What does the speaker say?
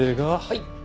はい。